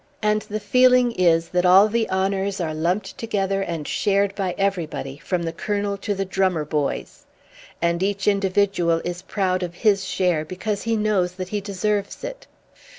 and the feeling is that all the honours are lumped together and shared by everybody, from the Colonel to the drummer boys. And each individual is proud of his share because he knows that he deserves it.